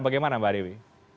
bagaimana mbak dewi